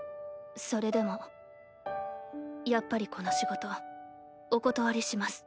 それでもやっぱりこの仕事お断りします。